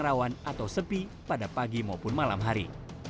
rawan atau sepi pada pagi maupun malam hari